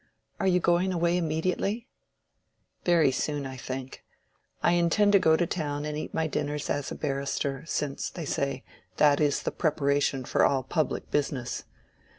"Are you going away immediately?" "Very soon, I think. I intend to go to town and eat my dinners as a barrister, since, they say, that is the preparation for all public business.